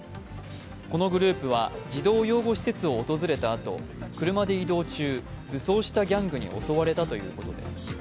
このグループは児童養護施設を訪れた後、車で移動中、武装したギャングに襲われたということです。